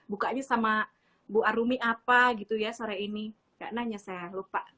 bukanya sama bu arumi apa gitu ya sore ini nggak nanya saya lupa